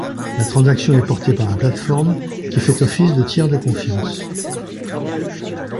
La transaction est portée par la plateforme, qui fait office de tiers de confiance.